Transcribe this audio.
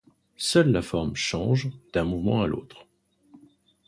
Seule la forme change d'un mouvement à l'autre.